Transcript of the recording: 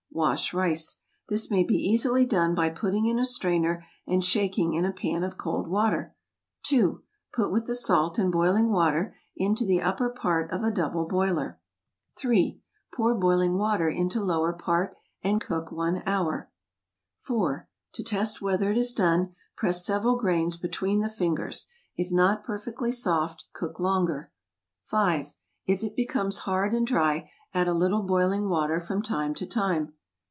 Wash rice. This may be easily done by putting in a strainer and shaking in a pan of cold water. 2. Put with the salt and boiling water, into the upper part of a double boiler. 3. Pour boiling water into lower part, and cook 1 hour. [Illustration: Steamed rice] 4. To test whether it is done, press several grains between the fingers. If not perfectly soft, cook longer. 5. If it becomes hard and dry, add a little boiling water from time to time.